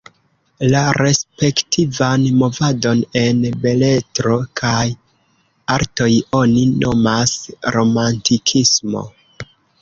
La respektivan movadon en beletro kaj artoj oni nomas romantikismo.